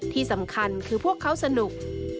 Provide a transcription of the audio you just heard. ที่สำคัญคือพวกเขาสนุก